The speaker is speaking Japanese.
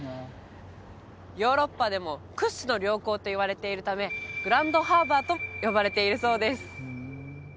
ヨーロッパでも屈指の良港といわれているためグランドハーバーと呼ばれているそうです